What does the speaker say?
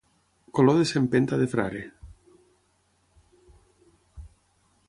Color de sempenta de frare.